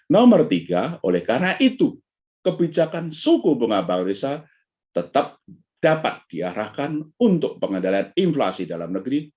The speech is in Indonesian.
nomor tiga oleh karena itu kebijakan suku bunga bank indonesia tetap dapat diarahkan untuk pengendalian inflasi dalam negeri